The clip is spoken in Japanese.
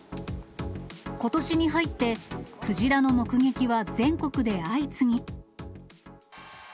ことしに入って、クジラの目撃は全国で相次ぎ。